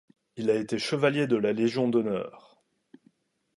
Il a été chevalier de la Légion d'honneur.